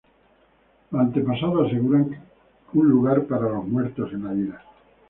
Los antepasados aseguran un lugar para los muertos en la vida.